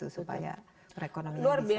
supaya perekonomian bisa berhasil